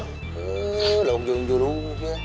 iya lauk jurung jurung